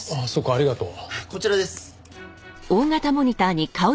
ありがとう。